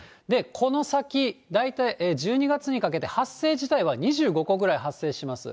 この先、大体、１２月にかけて発生自体は２５個ぐらい発生します。